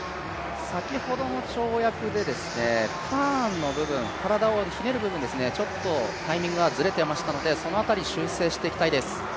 先ほどのターンの部分、体をひねる部分、ちょっとタイミングがずれていましたので、そのあたり修正していきたいです。